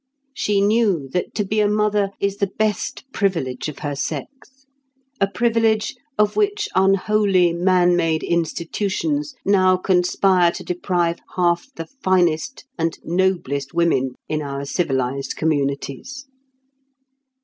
She knew that to be a mother is the best privilege of her sex, a privilege of which unholy man made institutions now conspire to deprive half the finest and noblest women in our civilised communities.